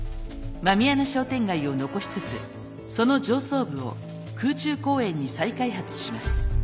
狸穴商店街を残しつつその上層部を空中公園に再開発します。